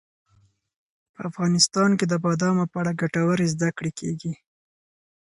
په افغانستان کې د بادامو په اړه ګټورې زده کړې کېږي.